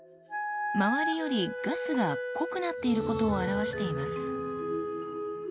周りよりガスが濃くなっていることを表しています。